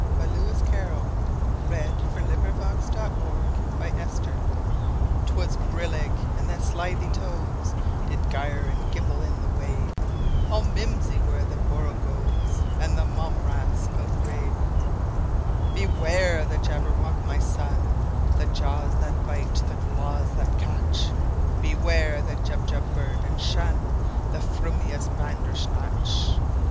1895. Lewis Carroll 1832–98 Jabberwocky CarrollL 'T WAS brillig, and the slithy tovesDid gyre and gimble in the wabe; All mimsy were the borogoves, And the mome raths outgrabe."Beware the Jabberwock, my son! The jaws that bite, the claws that catch! Beware the Jubjub bird, and shunThe frumious Bandersnatch!"